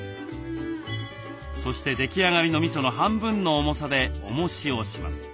そして出来上がりのみその半分の重さでおもしをします。